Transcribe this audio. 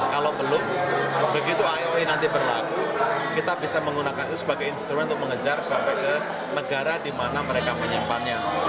kalau belum begitu ioi nanti berlaku kita bisa menggunakan itu sebagai instrumen untuk mengejar sampai ke negara di mana mereka menyimpannya